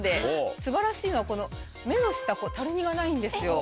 素晴らしいのはこの目の下たるみがないんですよ。